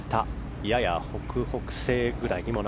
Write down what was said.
やや北北西くらい。